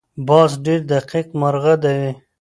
باز ډېر دقیق مرغه دی